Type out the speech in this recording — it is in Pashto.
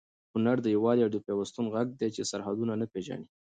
هنر د یووالي او پیوستون غږ دی چې سرحدونه نه پېژني.